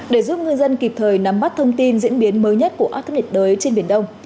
để giúp ngư dân kịp thời nắm bắt thông tin diễn biến mới nhất của áp thấp nhiệt đới trên biển đông